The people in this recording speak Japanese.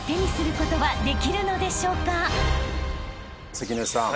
関根さん。